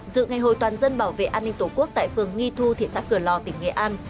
dự ngày hội toàn dân bảo vệ an ninh tổ quốc tại phường nghi thu thị xã cửa lò tỉnh nghệ an